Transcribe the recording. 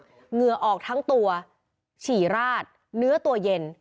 เหงื่อออกทั้งตัวฉี่ราดเนื้อตัวเย็น